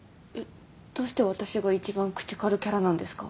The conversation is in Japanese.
どうして私が一番口軽キャラなんですか？